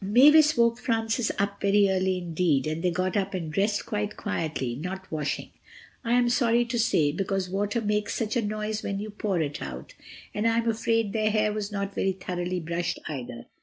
Mavis woke Francis up very early indeed, and they got up and dressed quite quietly, not washing, I am sorry to say, because water makes such a noise when you pour it out. And I am afraid their hair was not very thoroughly brushed either.